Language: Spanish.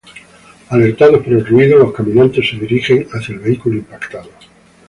Alertados por el ruido, los caminantes se dirigen hacia el vehículo impactado.